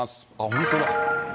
本当だ。